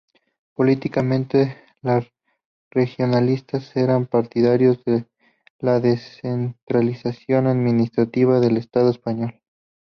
Políticamente, los regionalistas eran partidarios de la descentralización administrativa del Estado español.